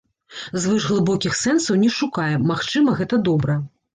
Звышглыбокіх сэнсаў не шукаем, магчыма, гэта добра.